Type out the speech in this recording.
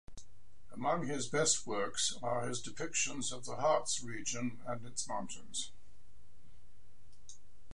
Among his best works are his depictions of the Harz region and its mountains.